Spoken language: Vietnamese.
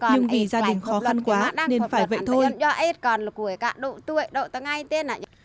nhưng vì gia đình khó khăn quá nên phải vậy thôi